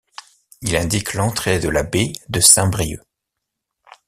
Il indique l'entrée de la baie de Saint-Brieuc.